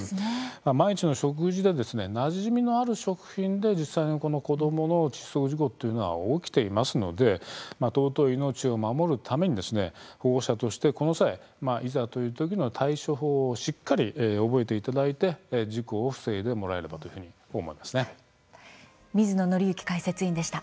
毎日の食事でなじみのある食品で実際に子どもの窒息事故というのは起きていますので尊い命を守るために保護者として、この際いざというときの対処法をしっかり覚えていただいて事故を防いでもらえればという水野倫之解説委員でした。